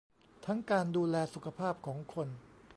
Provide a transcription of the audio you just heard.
ทั้งการดูแลสุขภาพของคน